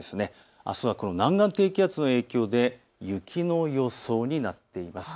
あすはこの南岸低気圧の影響で雪の予想になっています。